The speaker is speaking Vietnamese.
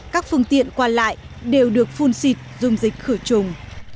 các phương tiện qua lại đều được phun xịt dung dịch khử trùng